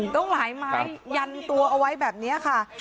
ต้องหลายไม้ยันตัวเอาไว้แบบนี้ค่ะ